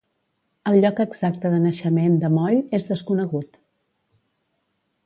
El lloc exacte de naixement de Moll és desconegut.